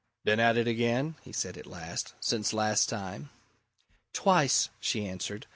"Been at it again?" he said at last. "Since last time?" "Twice," she answered.